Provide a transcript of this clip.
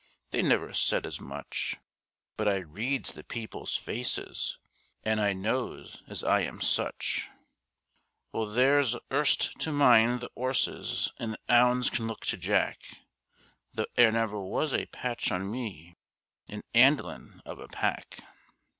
They never said as much, But I reads the people's faces, and I knows as I am such; Well, there's 'Urst to mind the 'orses and the 'ounds can look to Jack, Though 'e never was a patch on me in 'andlin' of a pack.